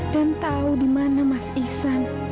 tahu di mana mas ihsan